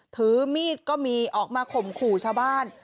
ถือมีดก็มีออกมาข่มขู่ชาวบ้าน